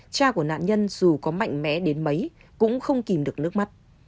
cha của nạn nhân dù có mạnh mẽ đến mấy cũng không kìm được nước mắt